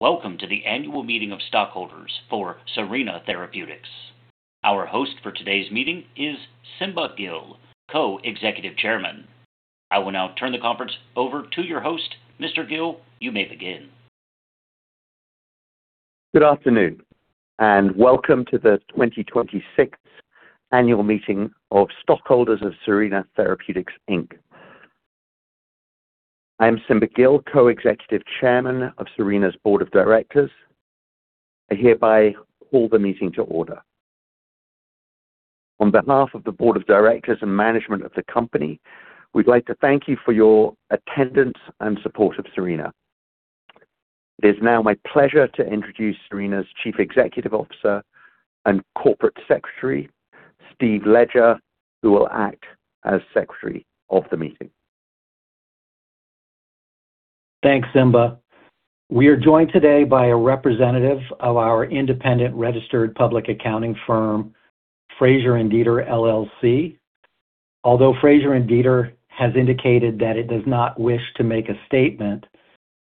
Welcome to the Annual Meeting of Stockholders for Serina Therapeutics. Our host for today's meeting is Simba Gill, Co-Executive Chairman. I will now turn the conference over to your host. Mr. Gill, you may begin. Good afternoon, welcome to the 2026 Annual Meeting of Stockholders of Serina Therapeutics, Inc. I'm Simba Gill, Co-Executive Chairman of Serina's Board of Directors. I hereby call the meeting to order. On behalf of the Board of Directors and management of the company, we'd like to thank you for your attendance and support of Serina. It is now my pleasure to introduce Serina's Chief Executive Officer and Corporate Secretary, Steve Ledger, who will act as Secretary of the meeting. Thanks, Simba. We are joined today by a representative of our independent registered public accounting firm, Frazier & Deeter LLC. Although Frazier & Deeter, LLC has indicated that it does not wish to make a statement,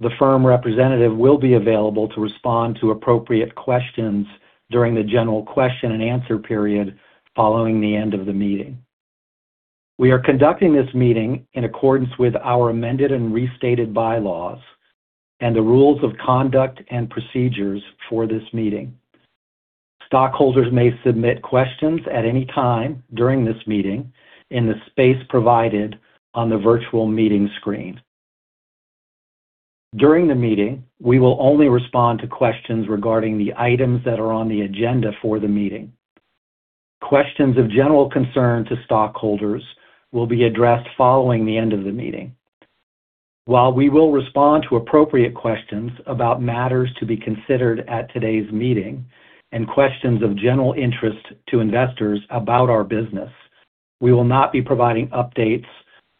the firm representative will be available to respond to appropriate questions during the general question-and-answer period following the end of the meeting. We are conducting this meeting in accordance with our amended and restated bylaws and the rules of conduct and procedures for this meeting. Stockholders may submit questions at any time during this meeting in the space provided on the virtual meeting screen. During the meeting, we will only respond to questions regarding the items that are on the Agenda for the meeting. Questions of general concern to stockholders will be addressed following the end of the meeting. While we will respond to appropriate questions about matters to be considered at today's meeting and questions of general interest to investors about our business, we will not be providing updates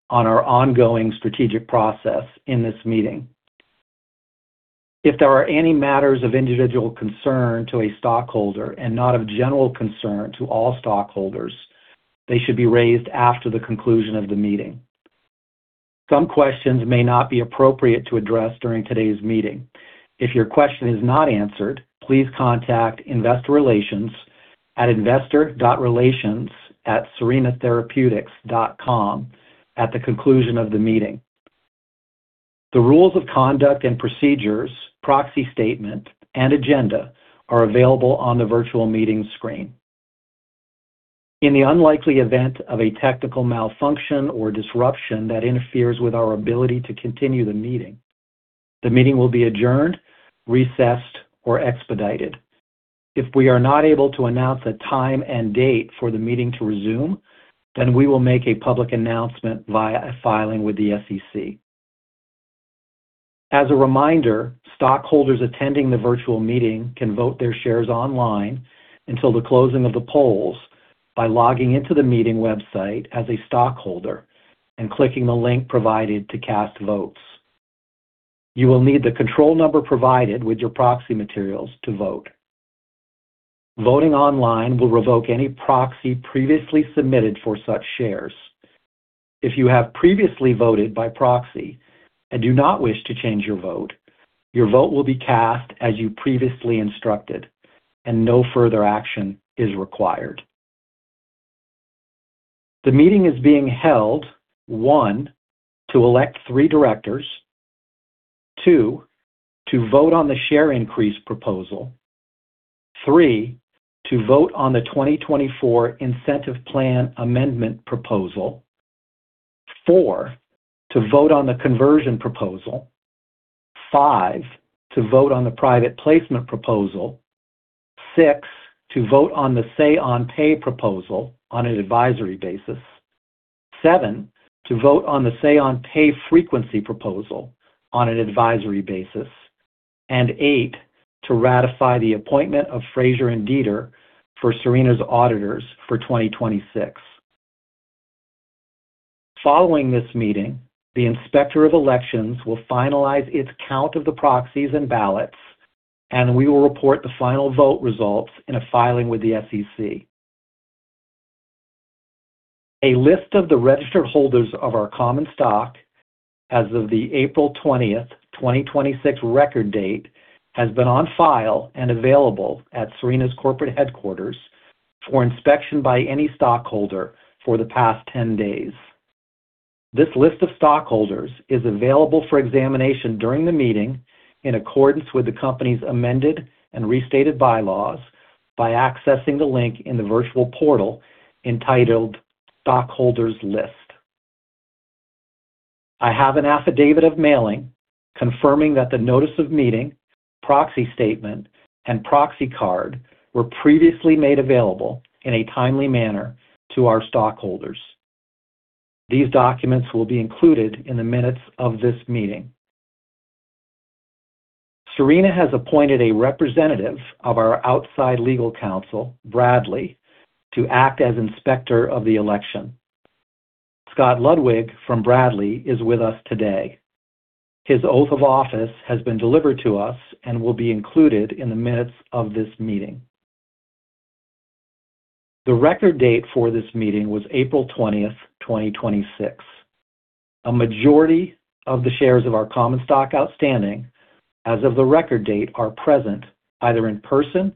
on our ongoing strategic process in this meeting. If there are any matters of individual concern to a stockholder and not of general concern to all stockholders, they should be raised after the conclusion of the meeting. Some questions may not be appropriate to address during today's meeting. If your question is not answered, please contact Investor Relations at investor.relations@serinatherapeutics.com at the conclusion of the meeting. Rules of Conduct and Procedures, Proxy Statement, and Agenda are available on the virtual meeting screen. In the unlikely event of a technical malfunction or disruption that interferes with our ability to continue the meeting, the meeting will be adjourned, recessed, or expedited. If we are not able to announce a time and date for the meeting to resume, then we will make a public announcement via a filing with the SEC. As a reminder, stockholders attending the virtual meeting can vote their shares online until the closing of the polls by logging into the meeting website as a stockholder and clicking the link provided to cast votes. You will need the control number provided with your proxy materials to vote. Voting online will revoke any proxy previously submitted for such shares. If you have previously voted by proxy and do not wish to change your vote, your vote will be cast as you previously instructed and no further action is required. The meeting is being held, one, to elect three directors. Two, to vote on the share increase proposal. Three, to vote on the 2024 Incentive Plan Amendment Proposal. Four, to vote on the Conversion Proposal. Five, to vote on the Private Placement Proposal. Six, to vote on the Say-on-Pay Proposal on an advisory basis. Seven, to vote on the Say-on-Pay Frequency Proposal on an advisory basis. Eight, to ratify the appointment of Frazier & Deeter, LLC for Serina's auditors for 2026. Following this meeting, the Inspector of Elections will finalize its count of the proxies and ballots. We will report the final vote results in a filing with the SEC. A list of the registered holders of our common stock as of the April 20th, 2026 record date has been on file and available at Serina's corporate headquarters for inspection by any stockholder for the past 10 days. This list of stockholders is available for examination during the meeting in accordance with the company's amended and restated bylaws by accessing the link in the virtual portal entitled Stockholders List. I have an affidavit of mailing confirming that the Notice of Annual Meeting, Proxy Statement, and Proxy Card were previously made available in a timely manner to our stockholders. These documents will be included in the minutes of this meeting. Serina Therapeutics has appointed a representative of our outside legal counsel, Bradley Arant, to act as Inspector of the Election. Scott Ludwig from Bradley Arant is with us today. His oath of office has been delivered to us and will be included in the minutes of this meeting. The record date for this meeting was April 20th, 2026. A majority of the shares of our common stock outstanding, as of the record date, are present either in person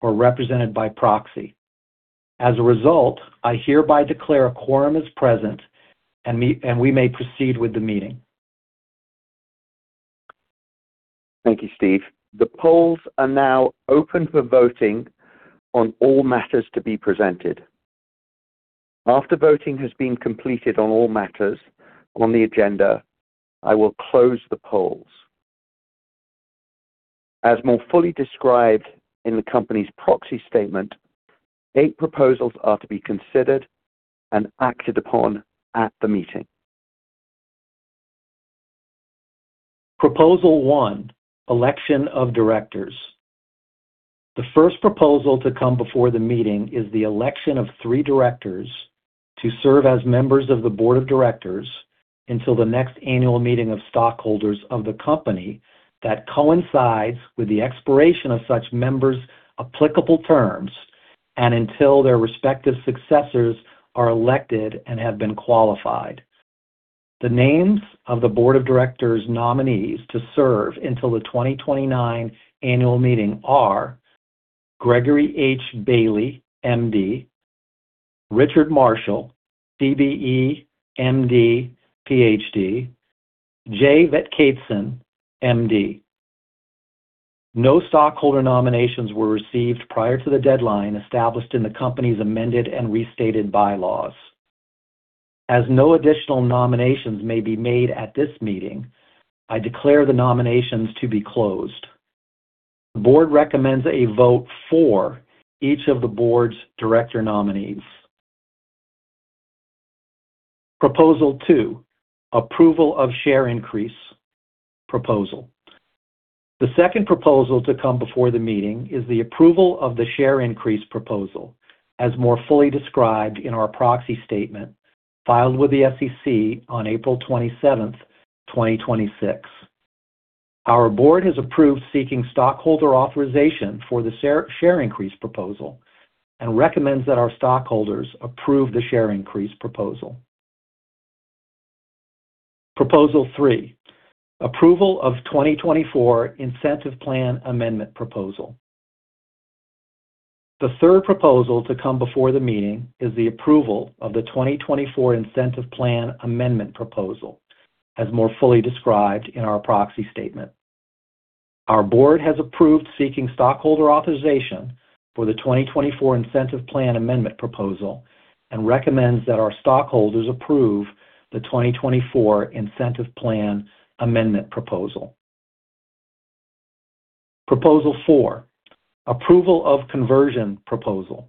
or represented by proxy. As a result, I hereby declare a quorum is present. We may proceed with the meeting. Thank you, Steve. The polls are now open for voting on all matters to be presented. After voting has been completed on all matters on the Agenda, I will close the polls. As more fully described in the company's Proxy Statement, eight proposals are to be considered and acted upon at the meeting. Proposal 1, Election of Directors. The first proposal to come before the meeting is the election of three directors to serve as members of the Board of Directors until the next annual meeting of stockholders of the company that coincides with the expiration of such members' applicable terms and until their respective successors are elected and have been qualified. The names of the Board of Directors nominees to serve until the 2029 Annual Meeting are Gregory H. Bailey, MD, Richard Marshall, CBE, MD, PhD, Jay Venkatesan, MD. No stockholder nominations were received prior to the deadline established in the company's Amended and Restated Bylaws. No additional nominations may be made at this meeting, I declare the nominations to be closed. The board recommends a vote for each of the board's director nominees. Proposal 2, Approval of Share Increase Proposal. The second proposal to come before the meeting is the approval of the Share Increase Proposal, as more fully described in our Proxy Statement filed with the SEC on April 27th, 2026. Our board has approved seeking stockholder authorization for the Share Increase Proposal and recommends that our stockholders approve the Share Increase Proposal. Proposal 3, approval of 2024 Incentive Plan Amendment Proposal. The third proposal to come before the meeting is the approval of the 2024 Incentive Plan Amendment Proposal, as more fully described in our Proxy Statement. Our board has approved seeking stockholder authorization for the 2024 Incentive Plan Amendment Proposal and recommends that our stockholders approve the 2024 Incentive Plan Amendment Proposal. Proposal 4, approval of Conversion Proposal.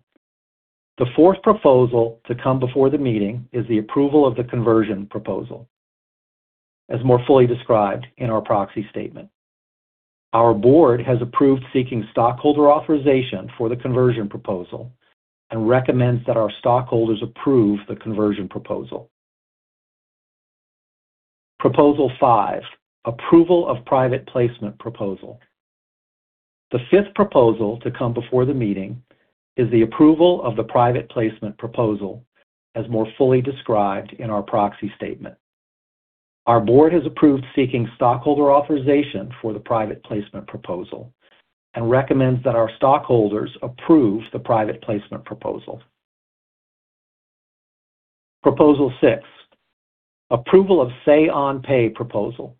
The fourth proposal to come before the meeting is the approval of the Conversion Proposal, as more fully described in our Proxy Statement. Our board has approved seeking stockholder authorization for the Conversion Proposal and recommends that our stockholders approve the Conversion Proposal. Proposal 5, approval of Private Placement Proposal. The fifth proposal to come before the meeting is the approval of the Private Placement Proposal, as more fully described in our Proxy Statement. Our board has approved seeking stockholder authorization for the Private Placement Proposal and recommends that our stockholders approve the Private Placement Proposal. Proposal 6, approval of Say-on-Pay Proposal.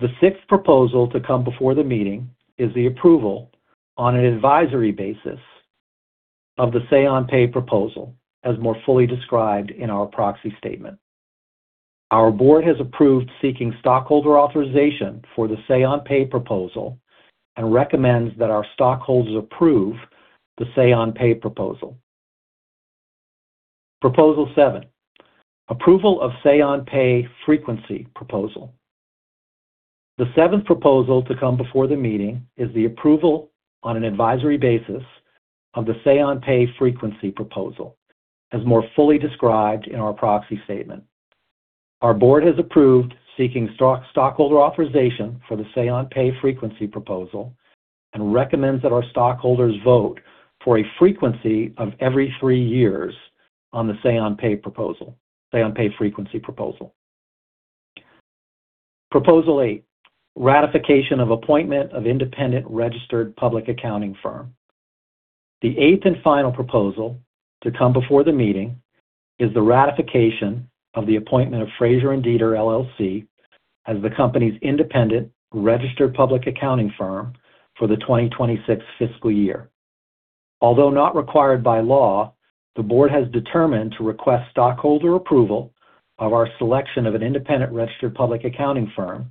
The sixth proposal to come before the meeting is the approval, on an advisory basis, of the Say-on-Pay Proposal, as more fully described in our Proxy Statement. Our board has approved seeking stockholder authorization for the Say-on-Pay Proposal and recommends that our stockholders approve the Say-on-Pay Proposal. Proposal 7, approval of Say-on-Pay Frequency Proposal. The seventh proposal to come before the meeting is the approval, on an advisory basis, of the Say-on-Pay Frequency Proposal, as more fully described in our Proxy Statement. Our board has approved seeking stockholder authorization for the Say-on-Pay frequency proposal and recommends that our stockholders vote for a frequency of every three years on the Say-on-Pay Frequency Proposal. Proposal 8, Ratification of Appointment of Independent Registered Public Accounting Firm. The eighth and final proposal to come before the meeting is the ratification of the appointment of Frazier & Deeter, LLC as the company's independent registered public accounting firm for the 2026 fiscal year. Although not required by law, the board has determined to request stockholder approval of our selection of an independent registered public accounting firm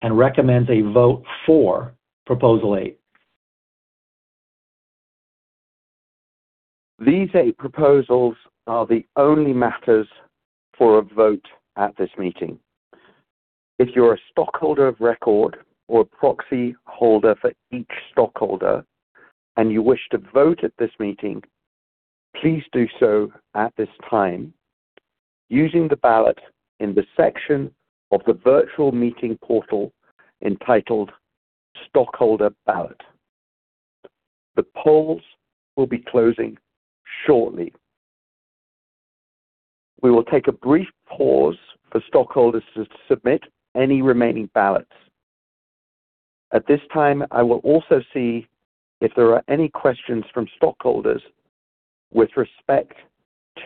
and recommends a vote for Proposal 8. These eight proposals are the only matters for a vote at this meeting. If you're a stockholder of record or a proxy holder for each stockholder and you wish to vote at this meeting, please do so at this time using the ballot in the section of the virtual meeting portal entitled Stockholder Ballot. The polls will be closing shortly. We will take a brief pause for stockholders to submit any remaining ballots. At this time, I will also see if there are any questions from stockholders with respect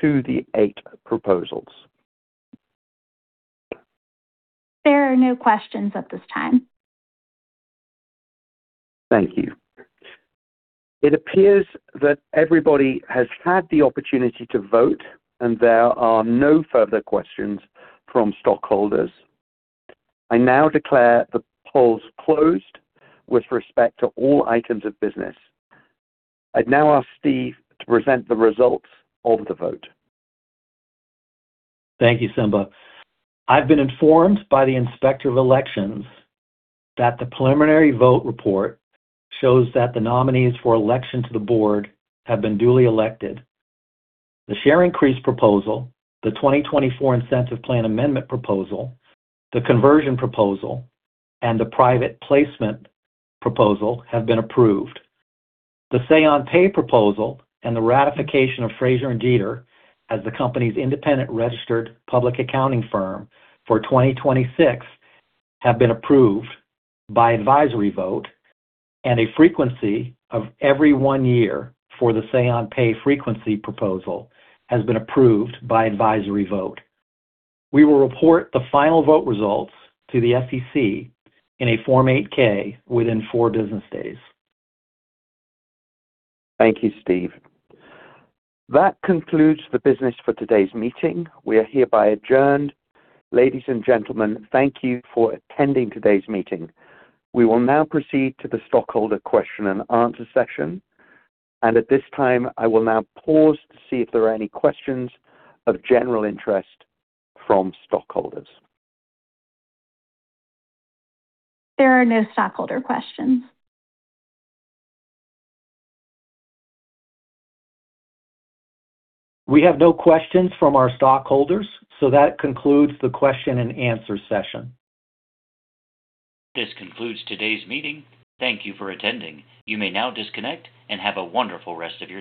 to the eight proposals. There are no questions at this time. Thank you. It appears that everybody has had the opportunity to vote, and there are no further questions from stockholders. I now declare the polls closed with respect to all items of business. I'd now ask Steve to present the results of the vote. Thank you, Simba. I've been informed by the Inspector of Elections that the preliminary vote report shows that the nominees for election to the board have been duly elected. The Share Increase Proposal, the 2024 Incentive Plan Amendment Proposal, the Conversion Proposal, and the Private Placement Proposal have been approved. The Say-on-Pay Proposal and the ratification of Frazier & Deeter, LLC as the company's independent registered public accounting firm for 2026 have been approved by advisory vote, and a frequency of every one year for the Say-on-Pay Frequency Proposal has been approved by advisory vote. We will report the final vote results to the SEC in a Form 8-K within four business days. Thank you, Steve. That concludes the business for today's meeting. We are hereby adjourned. Ladies and gentlemen, thank you for attending today's meeting. We will now proceed to the stockholder question-and-answer session. At this time, I will now pause to see if there are any questions of general interest from stockholders. We have no questions from our stockholders. That concludes the question-and-answer session. This concludes today's meeting. Thank you for attending. You may now disconnect and have a wonderful rest of your day